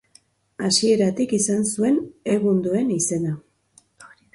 Hasieratik izan zuen egun duen izena.